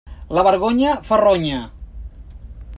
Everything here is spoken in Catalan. La vergonya fa ronya.